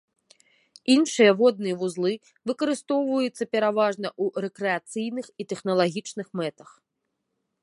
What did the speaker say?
Іншыя водныя вузлы выкарыстоўваюцца пераважна ў рэкрэацыйных і тэхналагічных мэтах.